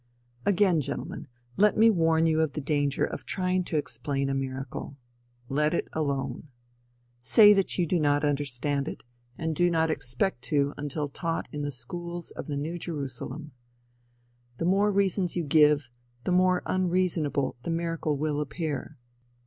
Again gentlemen, let me warn you of the danger of trying to explain a miracle. Let it alone. Say that you do not understand it, and do not expect to until taught in the schools of the New Jerusalem. The more reasons you give, the more unreasonable the miracle will appear.